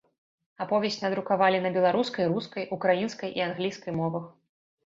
Аповесць надрукавалі на беларускай, рускай, украінскай і англійскай мовах.